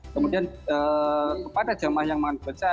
kemudian kepada jemaah yang makan demensia